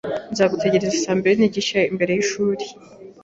Nzagutegereza saa mbiri n'igice imbere yishuri.